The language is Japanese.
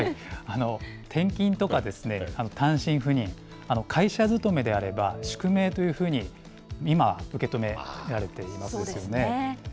転勤とか単身赴任、会社勤めであれば宿命というふうに今は受け止められていますよね。